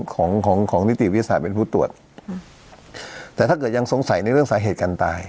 ของของนิติวิทยาศาสตร์เป็นผู้ตรวจแต่ถ้าเกิดยังสงสัยในเรื่องสาเหตุการตาย